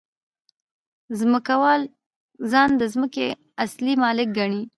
ځمکوال ځان د ځمکې اصلي مالک ګڼي